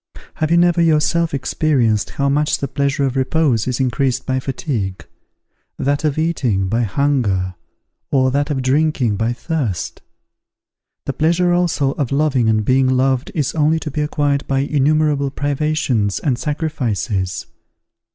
Have you never yourself experienced how much the pleasure of repose is increased by fatigue; that of eating, by hunger; or that of drinking, by thirst? The pleasure also of loving and being loved is only to be acquired by innumerable privations and sacrifices.